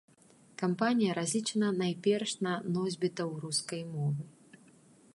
Кампанія разлічаная найперш на носьбітаў рускай мовы.